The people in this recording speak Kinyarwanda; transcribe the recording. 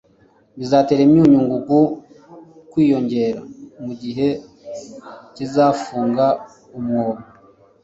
bizatera imyunyu ngugu kwiyongera mugihe kizafunga umwobo